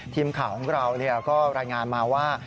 ทีมข่าวของเราก็รายงานมาว่า